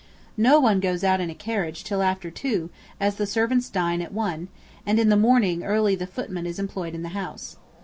No one goes out in a carriage till after two, as the servants dine at one, and in the morning early the footman is employed in the house.